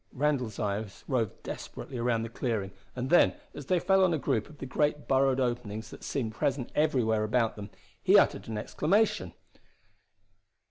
Randall's eyes roved desperately around the clearing; and then, as they fell on a group of the great burrowed openings that seemed present everywhere about them, he uttered an exclamation.